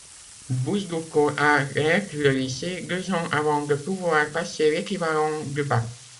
Bousdoukos arrête le lycée deux ans avant de pouvoir passer l'équivalent du bac.